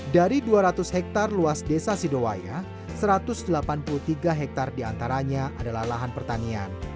dari dua ratus hektare luas desa sidowaya satu ratus delapan puluh tiga hektare diantaranya adalah lahan pertanian